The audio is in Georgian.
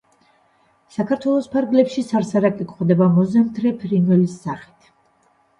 საქართველოს ფარგლებში სარსარაკი გვხვდება მოზამთრე ფრინველის სახით.